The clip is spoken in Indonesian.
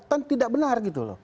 dan tidak benar gitu loh